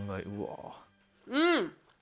うん。